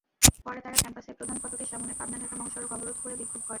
পরে তাঁরা ক্যাম্পাসের প্রধান ফটকের সামনে পাবনা-ঢাকা মহাসড়ক অবরোধ করে বিক্ষোভ করেন।